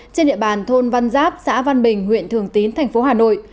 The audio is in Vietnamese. trên địa bàn thôn văn giáp xã văn bình huyện thường tín thành phố hà nội